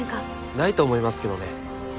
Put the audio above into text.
ないと思いますけどね。